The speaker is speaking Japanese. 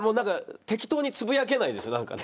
適当につぶやけないですよ。